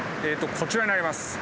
えとこちらになります。